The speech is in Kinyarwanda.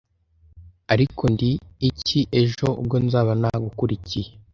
ariko ndi iki ejo ubwo nzaba nagukurikiye